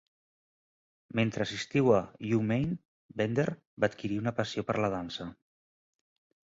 Mentre assistia a U-Maine, Bender va adquirir una passió per la dansa.